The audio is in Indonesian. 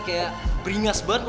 kayak beringas banget lah